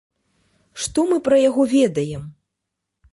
Што мы пра яго ведаем?